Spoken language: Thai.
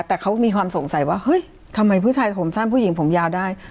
แต่เขามีความสงสัยว่าเฮ้ยทำไมผู้ชายผมสั้นผู้หญิงผมยาวได้